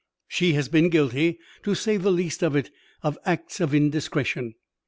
She has been guilty, to say the least of it, of acts of indiscretion.